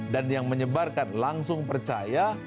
dan yang menyebarkan langsung percaya